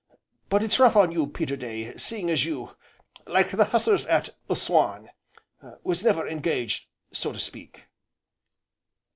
But it's rough on you, Peterday seeing as you like the Hussars at Assuan was never engaged, so to speak."